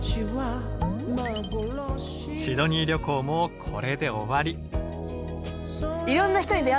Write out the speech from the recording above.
シドニー旅行もこれで終わり。